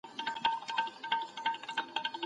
د نورو په خوشحالۍ کي بايد خوشحاله سو.